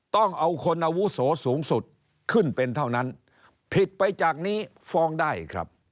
ต้องเอาคนอาวุโสสูงสุดขึ้นเป็นเท่านั้นผิดไปจากนี้ฟ้องได้ครับ